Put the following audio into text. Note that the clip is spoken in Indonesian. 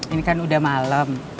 ini kan udah malem